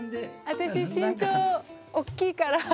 私身長大きいから。